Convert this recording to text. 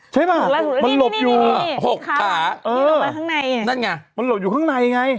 ใช่ป่ะมันหลบอยู่หกขานี่ลงไปข้างในนั่นไงมันหลบอยู่ข้างในไง